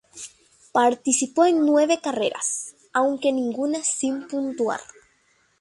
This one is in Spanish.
Participó en nueve carreras, aunque ninguna sin puntuar.